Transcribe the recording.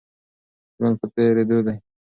ژوند په تېرېدو دی.